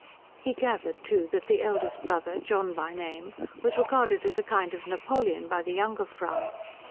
He gathered, too, that the eldest brother, John by name, was regarded as a kind of Napoleon by the younger fry.